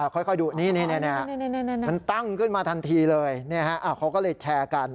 ค่อยดูนี่มันตั้งขึ้นมาทันทีเลยเขาก็เลยแชร์กัน